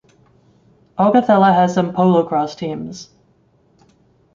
Augathella has some polocrosse teams.